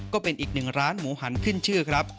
ก็เป็นอีกหนึ่งร้านหมูหันขึ้นชื่อครับ